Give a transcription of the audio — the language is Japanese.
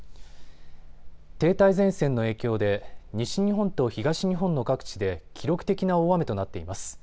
停滞前線の影響で西日本と東日本の各地で記録的な大雨となっています。